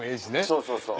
そうそうそう。